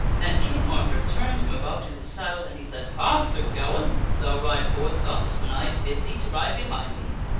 And King Arthur turned him about in his saddle, and he said : "Ha! Sir Gawaine ! Wouldst thou ride forward thus when I bid thee to ride behind me?"